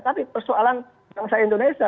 tapi persoalan bangsa indonesia